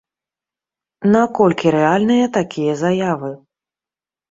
Наколькі рэальныя такія заявы?